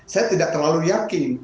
saya tidak terlalu yakin